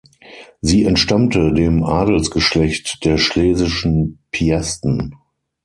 Sie entstammte dem Adelsgeschlecht der Schlesischen Piasten.